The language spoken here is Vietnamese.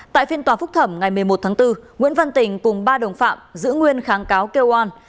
tại phiên tòa phúc thẩm ngày một mươi một tháng bốn nguyễn văn tình cùng ba đồng phạm giữ nguyên kháng cáo kêu an